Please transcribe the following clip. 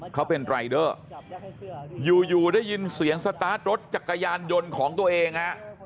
เขาเป็นรายเดอร์อยู่อยู่ได้ยินเสียงสตาร์ทรถจักรยานยนต์ของตัวเองฮะ